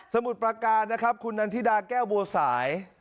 สมุดประการคุณนัธิดาแก้วบัวสาย